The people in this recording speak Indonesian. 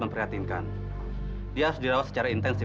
berikanlah kami kesabaran ya allah